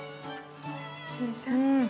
◆新鮮？